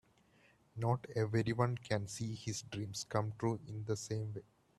Not everyone can see his dreams come true in the same way.